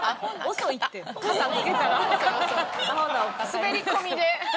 滑り込みで。